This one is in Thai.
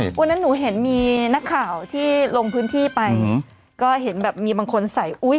วันนั้นหนูเห็นมีนักข่าวที่ลงพื้นที่ไปก็เห็นแบบมีบางคนใส่อุ้ย